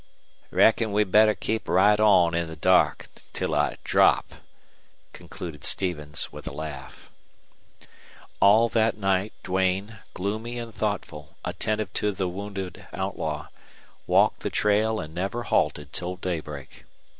"Reckon we'd better keep right on in the dark till I drop," concluded Stevens, with a laugh. All that night Duane, gloomy and thoughtful, attentive to the wounded outlaw, walked the trail and never halted till daybreak.